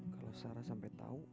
kalau sarah sampai tau